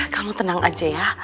kamu tenang aja ya